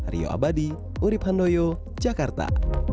rio abadi urib handoyo jakarta